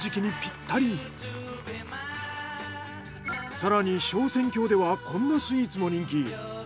更に昇仙峡ではこんなスイーツも人気。